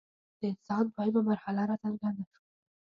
د انسان دویمه مرحله راڅرګنده شوه.